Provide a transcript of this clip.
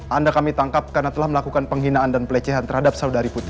anda kami tangkap karena telah melakukan penghinaan dan pelecehan terhadap saudari putih